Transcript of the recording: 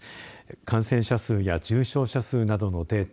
感染者数や重症者数などのデータ